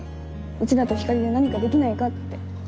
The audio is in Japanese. うちらとひかりで何かできないかって。